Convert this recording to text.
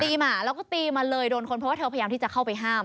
หมาแล้วก็ตีมาเลยโดนคนเพราะว่าเธอพยายามที่จะเข้าไปห้าม